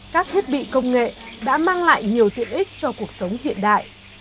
các thiết bị công nghệ đã mang lại nhiều tiện ích cho cuộc sống hiện đại